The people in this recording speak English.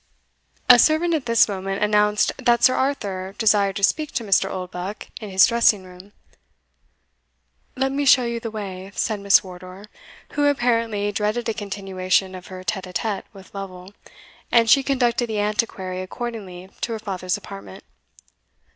A servant at this moment announced that Sir Arthur desired to speak to Mr. Oldbuck in his dressing room. "Let me show you the way," said Miss Wardour, who apparently dreaded a continuation of her tete a tete with Lovel, and she conducted the Antiquary accordingly to her father's apartment.